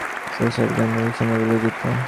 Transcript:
সে এসবের জন্য ভীষণভাবে লজ্জিত!